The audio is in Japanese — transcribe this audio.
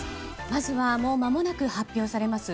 まずはもうまもなく発表されます